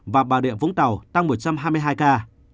và bà rịa vũng tàu tăng một trăm hai mươi hai ca